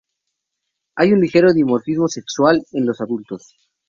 Hay un ligero dimorfismo sexual en los adultos.